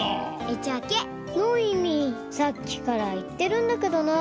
・さっきからいってるんだけどな。